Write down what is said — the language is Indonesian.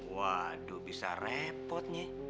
waduh bisa repotnya